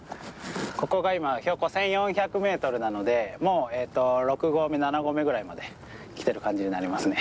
ここが今標高１，４００ｍなのでもう６合目７合目ぐらいまで来てる感じになりますね。